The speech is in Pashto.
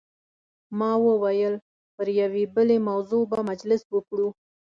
ما وویل پر یوې بلې موضوع به مجلس وکړو.